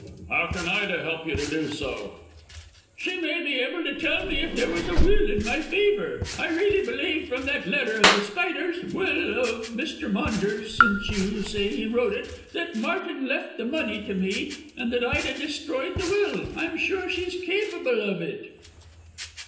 "How can Ida help you to do so?" "She may be able to tell me if there was a will in my favour. I really believe from that letter of The Spider's well, of Mr. Maunders', since you say he wrote it that Martin left the money to me and that Ida destroyed the will. I'm sure she's capable of it."